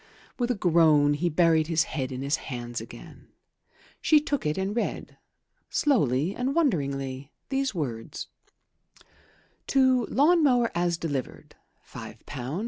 With a groan he buried his head in his hands again. She took it and read, slowly and wonderingly, these words: "To lawn mower as delivered, £5 17s.